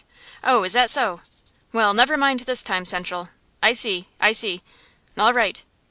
Oh, is that so? Well, never mind this time, Central. I see, I see. All right."